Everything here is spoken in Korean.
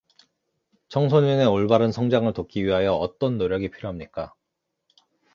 청소년의 올바른 성장을 돕기 위하여 어떤 노력이 필요합니까?